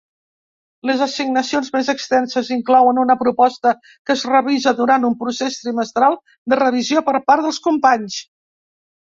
Les assignacions més extenses inclouen una proposta que es revisa durant un procés trimestral de revisió per part dels companys.